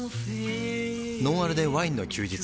「ノンアルでワインの休日」